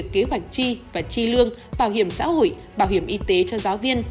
kế hoạch chi và chi lương bảo hiểm xã hội bảo hiểm y tế cho giáo viên